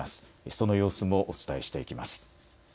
その様子もお伝えしていきます。